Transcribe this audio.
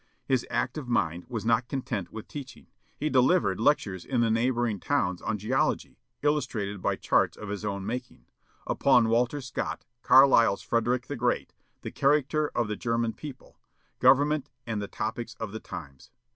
His active mind was not content with teaching. He delivered lectures in the neighboring towns on geology, illustrated by charts of his own making; upon "Walter Scott;" Carlyle's "Frederick the Great;" the "Character of the German People;" government, and the topics of the times.